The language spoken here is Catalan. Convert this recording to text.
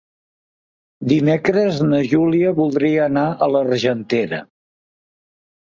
Dimecres na Júlia voldria anar a l'Argentera.